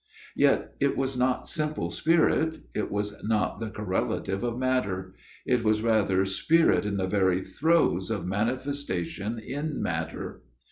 " Yet it was not simple spirit it was not the correlative of matter. It was rather spirit in the very throes of manifestation in matter.